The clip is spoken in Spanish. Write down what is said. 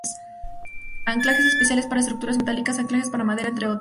Anclajes especiales para estructuras metálicas, anclajes para madera, entre otros.